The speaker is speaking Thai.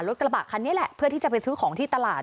รถกระบะคันนี้แหละเพื่อที่จะไปซื้อของที่ตลาด